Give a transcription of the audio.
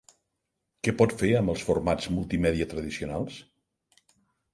Què pot fer amb els formats multimèdia tradicionals?